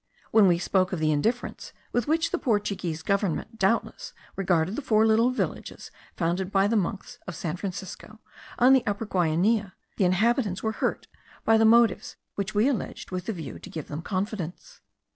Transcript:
When we spoke of the indifference with which the Portuguese government doubtless regarded the four little villages founded by the monks of Saint Francisco, on the Upper Guainia, the inhabitants were hurt by the motives which we alleged with the view to give them confidence.